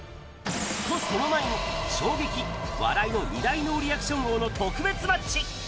と、その前に、衝撃・笑いの２大ノーリアクション王が特別マッチ。